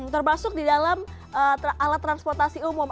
termasuk di dalam alat transportasi umum